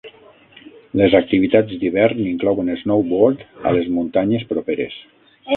Les activitats d'hivern inclouen snowboard a les muntanyes properes.